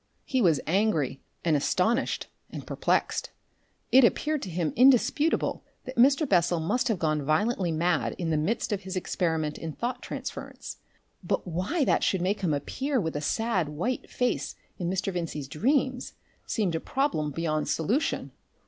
He was angry and astonished and perplexed. It appeared to him indisputable that Mr. Bessel must have gone violently mad in the midst of his experiment in thought transference, but why that should make him appear with a sad white face in Mr. Vincey's dreams seemed a problem beyond solution.